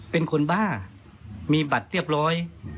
เป็นคนบ้ามีบัตรเรียบร้อย